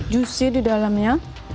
juicy di dalamnya